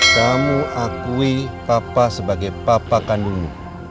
kamu akui papa sebagai papa kandung